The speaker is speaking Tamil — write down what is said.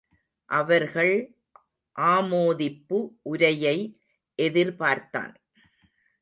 அவர்கள் ஆமோதிப்பு உரையை எதிர்பார்த்தான்.